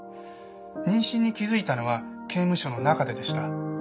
妊娠に気づいたのは刑務所の中ででした。